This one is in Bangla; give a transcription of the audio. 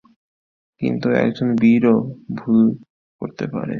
কিন্তু একজন বীরও, ভুল করতে পারে।